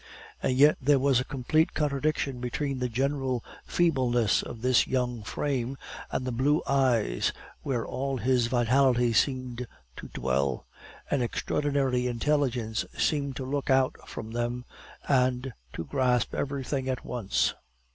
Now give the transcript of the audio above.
And yet there was a complete contradiction between the general feebleness of his young frame and the blue eyes, where all his vitality seemed to dwell; an extraordinary intelligence seemed to look out from them and to grasp everything at once.